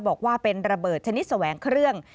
บอกว่าเป็นระเบิดชนิดแสวงเครื่อง